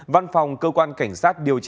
văn phòng cơ quan cảnh sát điều tra